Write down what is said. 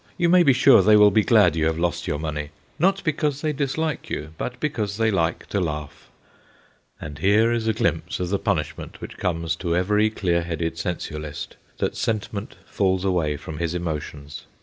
You may be sure they will be glad you have lost your money ; not because they dislike you, but because they like to laugh/ And here is a glimpse of the punishment which comes to every clear headed sensualist, that sentiment falls away from his emotions.